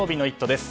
です。